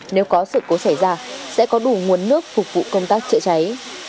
nếu có sự cố xảy ra sẽ có đủ nguồn nước phục vụ công tác chữa cháy